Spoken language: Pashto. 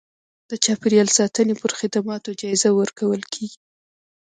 د چاپیریال ساتنې پر خدماتو جایزه ورکول کېږي.